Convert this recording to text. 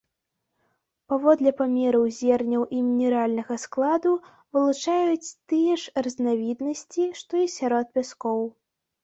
Паводле памераў зерняў і мінеральнага складу вылучаюць тыя ж разнавіднасці, што і сярод пяскоў.